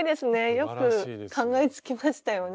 よく考えつきましたよね。